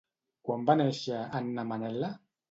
Quan va néixer Anna Manel·la?